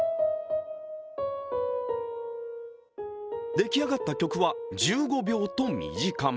出来上がった曲は１５秒と短め。